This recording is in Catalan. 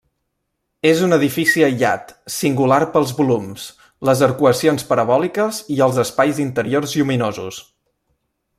És un edifici aïllat, singular pels volums, les arcuacions parabòliques i els espais interiors lluminosos.